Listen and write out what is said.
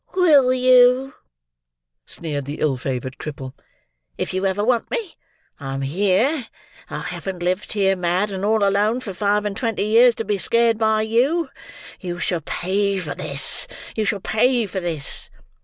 "Will you?" sneered the ill favoured cripple. "If you ever want me, I'm here. I haven't lived here mad and all alone, for five and twenty years, to be scared by you. You shall pay for this; you shall pay for this."